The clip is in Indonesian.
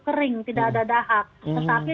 kering tidak ada dahak tetapi